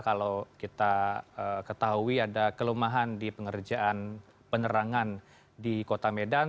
kalau kita ketahui ada kelemahan di pengerjaan penerangan di kota medan